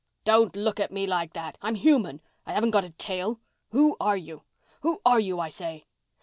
Don't look at me like that—I'm human—I haven't got a tail! Who are you—who are you, I say?"